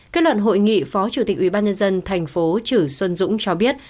kết luận hội nghị phó chủ tịch ubnd thành phố chử xuân dũng cho biết